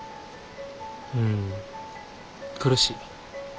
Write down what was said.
うん苦しい。